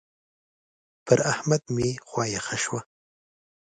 پر احمد مې خوا يخه شوه.